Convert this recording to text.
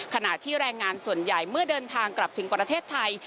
ขณะที่แรงงานส่วนใหญ่เมื่อเดินทางกลับถึงประเทศไทย